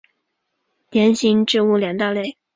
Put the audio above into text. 链型植物两大类。